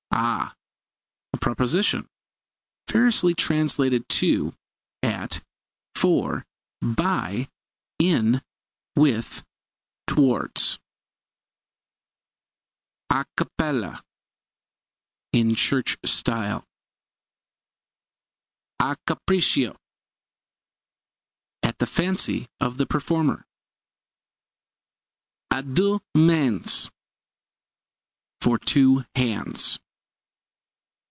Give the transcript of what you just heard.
A preposition variously translated to, at, for, by, in, with, towards. A cappella in church style. A capriccio at the fancy of the performer. À deux mains for two hands.